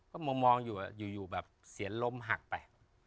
ก็มองอยู่อยู่แบบเสียงลมหักไป